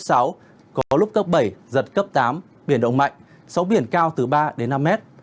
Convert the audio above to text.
có lúc cấp bảy giật cấp tám biển động mạnh sóng biển cao từ ba đến năm mét